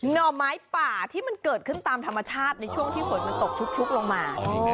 ห่อไม้ป่าที่มันเกิดขึ้นตามธรรมชาติในช่วงที่ฝนมันตกชุกลงมา